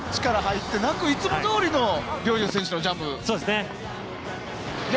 力が入ってなくいつもどおりの陵侑選手のジャンプ。